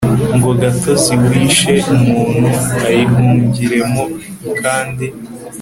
ngo gatozi wishe umuntu ayihungiremo kandi